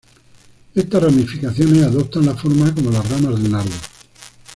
Estas ramificaciones adoptan la forma como las ramas de un árbol.